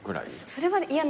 それは嫌。